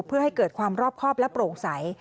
เพื่อให้เกิดความรอบครอบและโปร่งใส